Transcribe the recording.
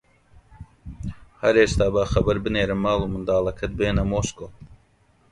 هەر ئێستا با خەبەر بنێرم ماڵ و منداڵەکەت بێنە مۆسکۆ